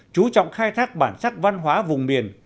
chú trọng khai thác bản sắc văn hóa vùng miền